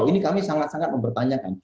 ini kami sangat sangat mempertanyakan